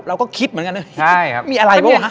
เราก็คิดเหมือนกันมีอะไรบ้าง